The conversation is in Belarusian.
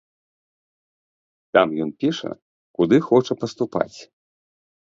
Там ён піша, куды хоча паступаць.